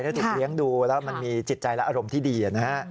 ถ้าถูกเลี้ยงดูแล้วมันมีจิตใจและอารมณ์ที่ดีนะฮะ